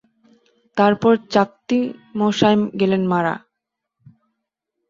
তারপর চাকত্তি মশায় গেলেন মারা।